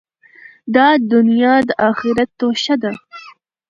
دا دؤنیا د آخرت توښه ده.